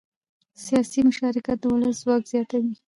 سیاسي مشارکت د ولس ځواک زیاتوي